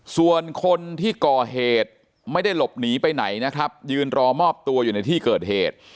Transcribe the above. ส่วนคนที่ก่อเหตุไม่ได้หลบหนีไปไหนนะครับยืนรอมอบตัวอยู่ในที่เกิดเหตุ